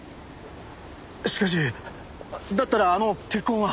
しかしだったらあの血痕は？